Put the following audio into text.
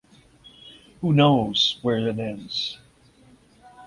Who knows where it ends?